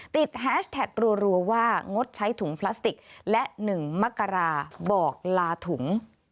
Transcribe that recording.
แฮชแท็กรัวว่างดใช้ถุงพลาสติกและ๑มกราบอกลาถุง